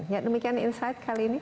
ya demikian insight kali ini